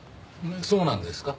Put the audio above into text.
そうなんですか？